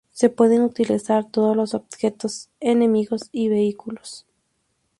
Se pueden utilizar todos los objetos, enemigos y vehículos.